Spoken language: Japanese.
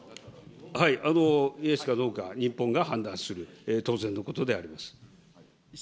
はい、イエスかノーか、日本が判断する、当然のことであります。